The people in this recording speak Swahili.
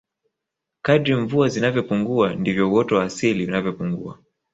kadri mvua zinavyopungua ndivyo uoto wa asili unavyopungua